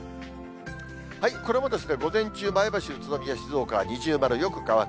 これも午前中、前橋、宇都宮、静岡は二重丸、よく乾く。